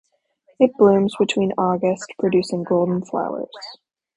It blooms between August producing golden flowers.